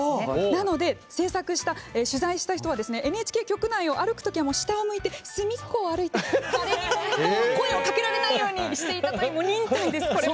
なので取材した人はＮＨＫ局内を歩くときは下を向いて隅っこを歩いて誰にも声をかけられないようにしていたと。